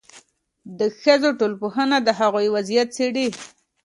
د ښځو ټولنپوهنه د هغوی وضعیت څېړي.